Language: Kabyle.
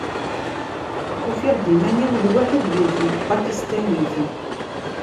Ufiɣ-d iman-iw lwaḥi d yiwet n Tpakistanit.